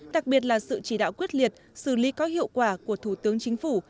đặc biệt là sự chỉ đạo quyết liệt xử lý có hiệu quả của thủ tướng chính phủ